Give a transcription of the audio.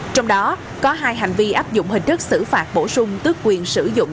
trong đó có hai hành vi áp dụng hình thức xử phạt bổ sung tước quyền sử dụng